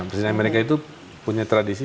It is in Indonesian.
presiden amerika itu punya tradisi